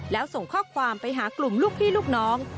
แล้วส่งข้อความไปหากลุ่มลูกพี่ลูกน้อง